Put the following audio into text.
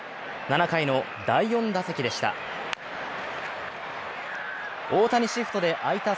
７回の第４打席でした。